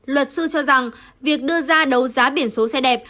luật sư cho rằng việc đưa ra đấu giá biển số xe đẹp